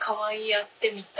会ってみたい！